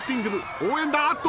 応援団あーっと！